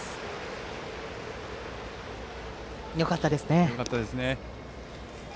よかったです。